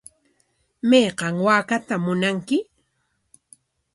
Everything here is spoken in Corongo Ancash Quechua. ¿Mayqan waakaatam munanki?